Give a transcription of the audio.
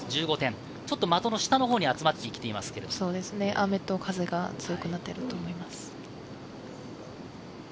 ちょっと的の下のほうに集まってきていま雨と風が強くなってきていると思います。